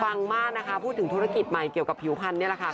มากนะคะพูดถึงธุรกิจใหม่เกี่ยวกับผิวพันธุ์นี่แหละค่ะ